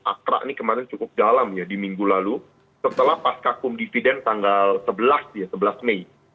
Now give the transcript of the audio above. akra ini kemarin cukup dalam ya di minggu lalu setelah pasca kum dividen tanggal sebelas ya sebelas mei